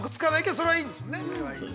◆それはいいんですね。